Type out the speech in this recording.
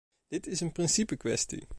Dit is een principekwestie.